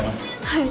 はい。